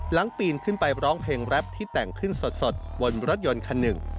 ปีนขึ้นไปร้องเพลงแรปที่แต่งขึ้นสดบนรถยนต์คันหนึ่ง